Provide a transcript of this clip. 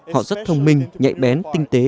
họ rất thông minh nhạy bén tinh tế